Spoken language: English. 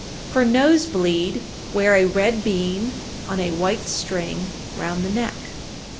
For nose bleed wear a red bean on a white string round the neck.